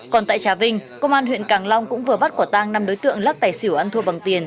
còn tại trà vinh công an huyện càng long cũng vừa bắt quả tang năm đối tượng lắc tài xỉu ăn thua bằng tiền